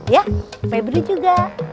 ya pebre juga